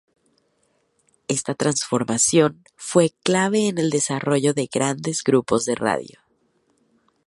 Esta transformación fue clave en el desarrollo de grandes grupos de radio.